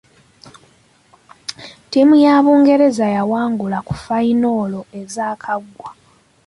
Ttiimu ya Bungereza yawangulwa ku fayinolo ezaakaggwa.